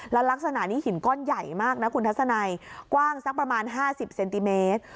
แล้วลักษณะนี้หินก้อนใหญ่มากนะคุณทัศนัยกว้างสักประมาณ๕๐เซนติเมตร